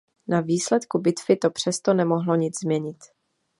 Na výsledku bitvy to přesto nemohlo nic změnit.